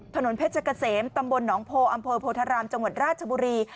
ถนนเพชรเกษมตำบลหนองโพอำเภอโพธารามจังหวัดราชบุรี